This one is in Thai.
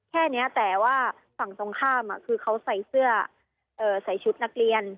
แค่นี้แต่ว่าฝั่งตรงข้ามคือเขาใส่เสื้อใส่ชุดนักเรียน